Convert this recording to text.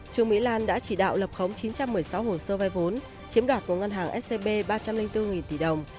trương mỹ lan đã chỉ đạo lập khống chín trăm một mươi sáu hồ sơ vay vốn chiếm đoạt của ngân hàng scb ba trăm linh bốn tỷ đồng